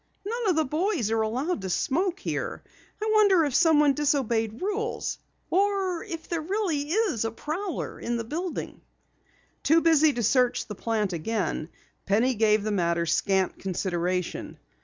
"None of the boys are allowed to smoke here. I wonder if someone disobeyed rules, or if there's really a prowler in the building?" Too busy to search the plant again, Penny gave the matter scant consideration.